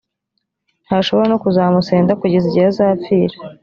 ntashobora no kuzamusenda kugeza igihe azapfira.